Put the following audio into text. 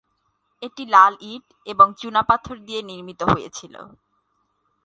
এটি লাল ইট এবং চুনাপাথর দিয়ে নির্মিত হয়েছিল।